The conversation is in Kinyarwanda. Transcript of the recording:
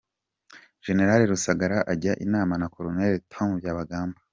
Gen. Rusagara ajya inama na Col. Tom Byabagamba